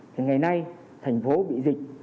thì ngày nay thành phố bị dịch